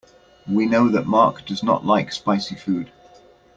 We know that Mark does not like spicy food.